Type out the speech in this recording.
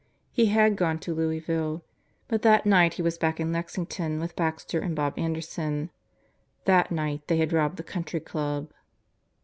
He had gone to Louisville. But that night he was back in Lexington with Baxter and Bob Anderson. That night they had robbed the Country Club.